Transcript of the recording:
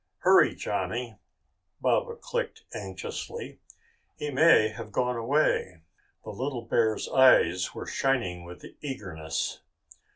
"Hurry, Johnny," Baba clicked anxiously. "He may have gone away." The little bear's eyes were shining with eagerness.